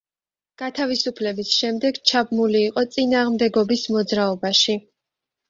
გათავისუფლების შემდეგ ჩაბმული იყო წინააღმდეგობის მოძრაობაში.